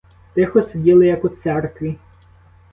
Тихо сиділи, як у церкві.